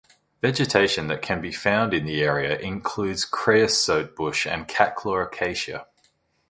Vegetation that can be found in the area includes creosote bush and catclaw acacia.